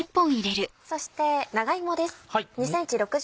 そして長芋です。